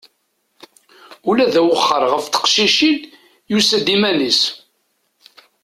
Ula d awexxer ɣef teqcicin yusa-d iman-is.